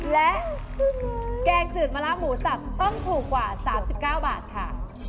และแกงจืดมะละหมูสับต้องถูกกว่า๓๙บาทค่ะ